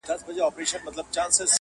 مُلا یې بولي تشي خبري.!